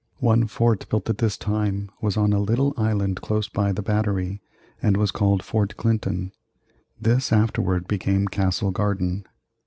One fort built at this time was on a little island close by the Battery, and was called Fort Clinton. This afterward became Castle Garden.